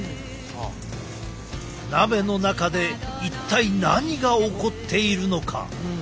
鍋の中で一体何が起こっているのか？